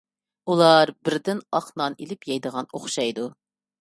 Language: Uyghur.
ئۇلار بىردىن ئاق نان ئېلىپ يەيدىغان ئوخشايدۇ.